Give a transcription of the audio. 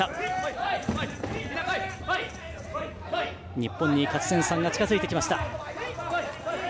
日本に勝ち点３が近づいてきました。